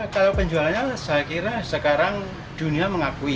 kalau penjualnya saya kira sekarang dunia mengakui